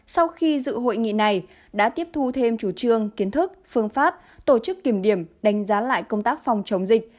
sau khi dự hội nghị này đã tiếp thu thêm chủ trương kiến thức phương pháp tổ chức kiểm điểm đánh giá lại công tác phòng chống dịch